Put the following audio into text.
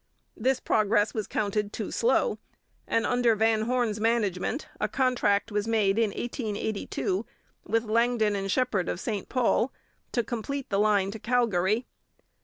This progress was counted too slow, and under Van Horne's management a contract was made in 1882, with Langdon and Shepard of St Paul, to complete the line to Calgary.